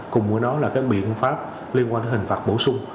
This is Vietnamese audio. cùng với đó là cái biện pháp liên quan tới hình phạt bổ sung